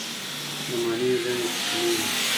د مڼې زړې کوچنۍ وي.